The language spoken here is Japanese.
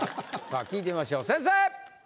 さぁ聞いてみましょう先生！